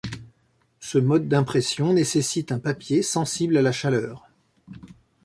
Ce mode d’impression nécessite un papier sensible à la chaleur.